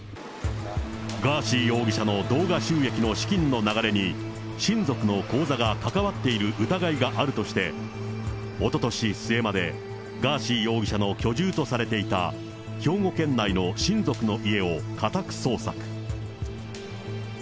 ガーシー容疑者の動画収益の資金の流れに、親族の口座がかかわっている疑いがあるとして、おととし末まで、ガーシー容疑者の居住とされていた兵庫県内の親族の家を家宅捜索。